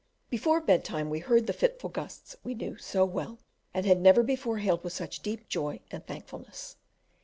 Before bedtime we heard the fitful gusts we knew so well, and had never before hailed with such deep joy and thankfulness.